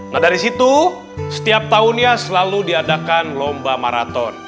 nah dari situ setiap tahunnya selalu diadakan lomba maraton